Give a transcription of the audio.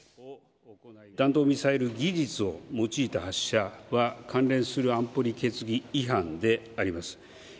弾道ミサイル技術を用いた発射は、関連する安保理決議違反であります。